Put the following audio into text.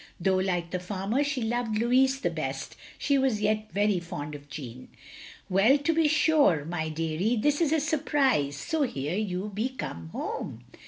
Though, like the farmer, she loved Louis the best, she was yet very fond of Jeanne. " Well, to be sure, my deary, this is a surprise. So here you be come home.